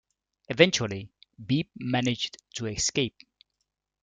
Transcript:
Eventually, Beep managed to escape.